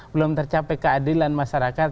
belum tercapai keadilan masyarakat